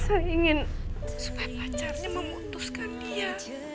saya ingin supaya pacarnya memutuskan dia